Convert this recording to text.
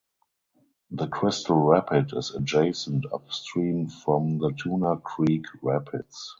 The Crystal Rapid is adjacent upstream from the Tuna Creek Rapids.